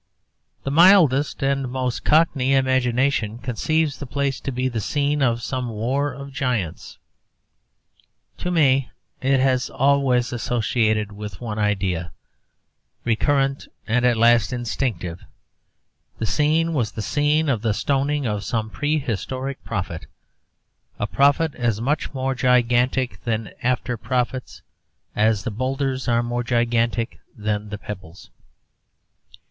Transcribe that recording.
The mildest and most cockney imagination conceives the place to be the scene of some war of giants. To me it is always associated with one idea, recurrent and at last instinctive. The scene was the scene of the stoning of some prehistoric prophet, a prophet as much more gigantic than after prophets as the boulders are more gigantic than the pebbles.